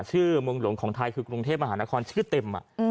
เมืองหลวงของไทยคือกรุงเทพมหานครชื่อเต็ม